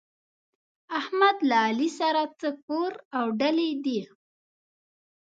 احمد له علي سره څه کور اوډلی دی؟!